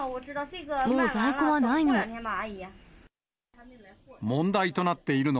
もう在庫はないの。